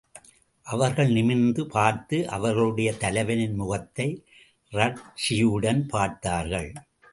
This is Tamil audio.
அவர்கள் நிமிர்ந்து பார்த்து, அவர்களுடைய தலைவனின் முகத்தை ரட்சியுடன் பார்த்தார்கள்.